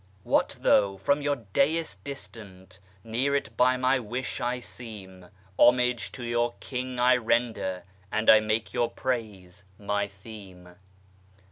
What though from your dais distant, near it by my wish I seem, Homage to your King I render, and I make your praise my theme.'